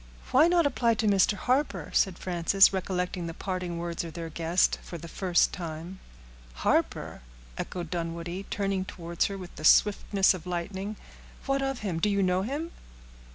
"Why not apply to Mr. Harper?" said Frances, recollecting the parting words of their guest for the first time. "Harper!" echoed Dunwoodie, turning towards her with the swiftness of lightning; "what of him? Do you know him?"